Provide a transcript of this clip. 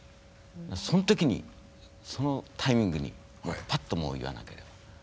その時にそのタイミングにパッともう言わなければ。